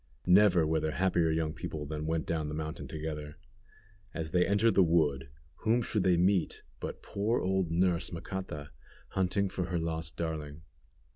Never were there happier young people than went down the mountain together. As they entered the wood, whom should they meet but poor old nurse, Macata, hunting for her lost darling.